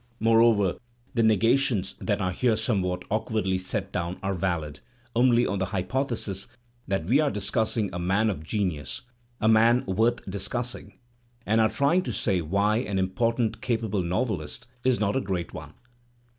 Moreover, the negations that are here somewhat awkwardly set down are valid, only on the hypothesis that we are discussing a man of genius, a man worth discussing, and are tiying to say why an important, capable novelist is not a great one.